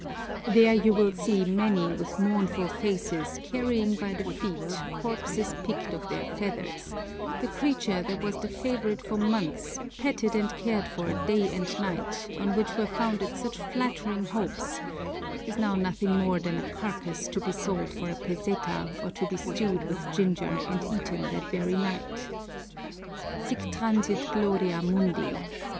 There you will see many with mournful faces carrying by the feet corpses picked of their feathers; the creature that was the favorite for months, petted and cared for day and night, on which were founded such flattering hopes, is now nothing more than a carcass to be sold for a peseta or to be stewed with ginger and eaten that very night. _Sic transit gloria mundi!